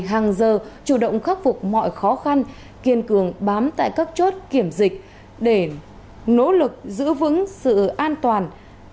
hàng giờ chủ động khắc phục mọi khó khăn kiên cường bám tại các chốt kiểm dịch để nỗ lực giữ vững sự an toàn